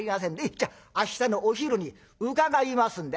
じゃあ明日のお昼に伺いますんで」。